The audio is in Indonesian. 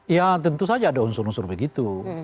ya tentu saja ada unsur unsur begitu